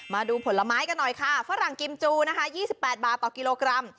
มาดูผลไม้กันหน่อยค่ะฝรั่งกิมจูนะคะ๒๘บาทต่อกิโลกรัม